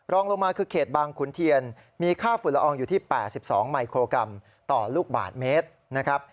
รองลงมาคือเขตบางขุนเทียนมีค่าฝุ่นละอองอยู่ที่๘๒มิโครกรัมต่อลูกบาทเมตรนะครับ